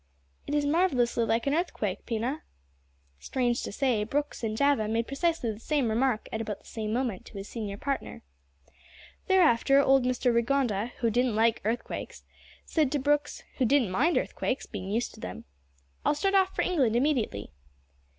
"It is marvellously like an earthquake, Pina." Strange to say, Brooks in Java made precisely the same remark, at about the same moment, to his senior partner. Thereafter old Mr Rigonda, who didn't like earthquakes, said to Brooks who didn't mind earthquakes, being used to them "I'll start off for England immediately."